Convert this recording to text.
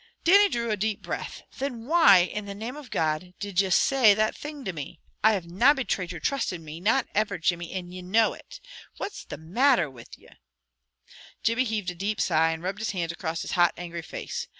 Dannie drew a deep breath. "Then why in the name of God did ye SAY that thing to me? I have na betrayed your trust in me, not ever, Jimmy, and ye know it. What's the matter with ye?" Jimmy heaved a deep sigh, and rubbed his hands across his hot, angry face.